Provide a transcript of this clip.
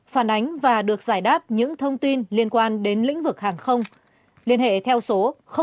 phản ánh và được giải đáp những thông tin liên quan đến lĩnh vực hàng không liên hệ theo số chín trăm một mươi sáu năm trăm sáu mươi hai một trăm một mươi chín